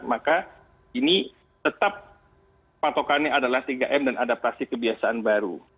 maka ini tetap patokannya adalah tiga m dan adaptasi kebiasaan baru